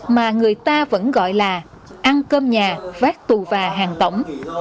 mà người ta vẫn gọi là ăn cơm nhà vác tù và hàng tổng